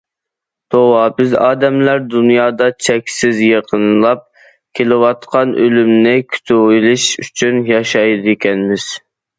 توۋا، بىز ئادەملەر دۇنيادا چەكسىز يېقىنلاپ كېلىۋاتقان ئۆلۈمنى كۈتۈۋېلىش ئۈچۈن ياشايدىكەنمىز.